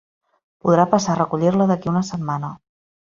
Podrà passar a recollir-la d'aquí a una setmana.